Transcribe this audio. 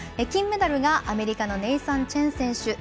金メダルがアメリカのネイサン・チェン選手。